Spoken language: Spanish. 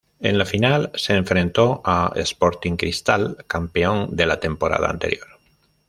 En la final, se enfrentó a Sporting Cristal, campeón de la temporada anterior.